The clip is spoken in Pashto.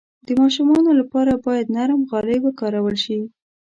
د ماشومانو لپاره باید نرم غالۍ وکارول شي.